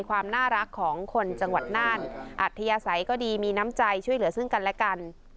ความน่ารักของคนจังหวัดน่านอัธยาศัยก็ดีมีน้ำใจช่วยเหลือซึ่งกันและกัน